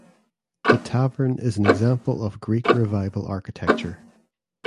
The tavern is an example of Greek Revival architecture.